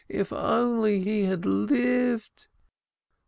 if only he Bad lived